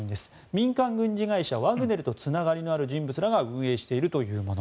民間軍事会社ワグネルとつながりのある人物らが運営しているというもの。